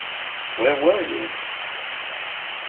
Where were you?